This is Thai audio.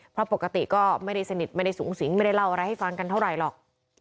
เพราะปกติก็ไม่ได้สนิทไม่ได้สูงสิงไม่ได้เล่าอะไรให้ฟังกันเท่าไหร่หรอก